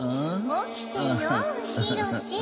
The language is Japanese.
起きてよひろし。